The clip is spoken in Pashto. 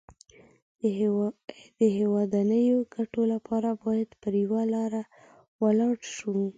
د هېوادنيو ګټو لپاره بايد پر يوه لاره ولاړ شو.